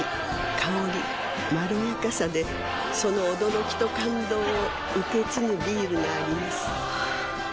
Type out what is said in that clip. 香りまろやかさでその驚きと感動を受け継ぐビールがあります